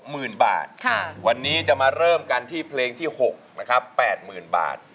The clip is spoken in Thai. ๖มืนบาทค่ะวันนี้จะมาเริ่มกันที่เพลงที่๖นะครับแปดหมื่นบาท